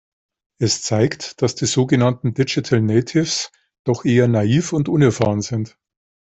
Es zeigt, dass die sogenannten Digital Natives doch eher naiv und unerfahren sind.